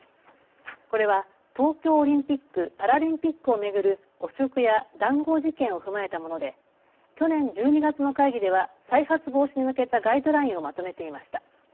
これは東京オリンピック・パラリンピックを巡る汚職や談合事件を踏まえたもので去年１２月の会議では再発防止に向けたガイドラインをまとめていました。